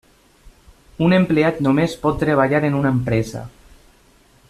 Un empleat només pot treballar en una empresa.